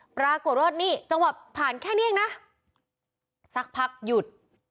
ปรากฏว่านี่จังหวะผ่านแค่นี้เองนะสักพักหยุด